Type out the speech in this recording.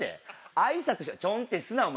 あいさつしてるちょんってすなお前。